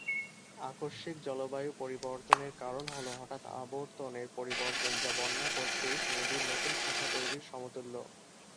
আকস্মিক জলবায়ু পরিবর্তনের কারণ হলো হঠাৎ আবর্তনের পরিবর্তন যা বন্যা কর্তৃক নদীর নতুন শাখা তৈরির সমতুল্য।